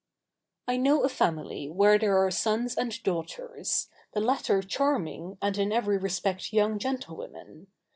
I know a family where there are sons and daughters, the latter charming and in every respect young gentlewomen.